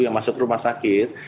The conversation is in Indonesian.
yang masuk rumah sakit